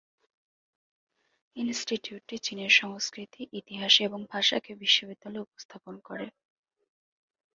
ইনস্টিটিউটটি চীনের সংস্কৃতি, ইতিহাস এবং ভাষাকে বিশ্ববিদ্যালয়ে উপস্থাপন করে।